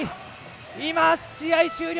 今、試合終了！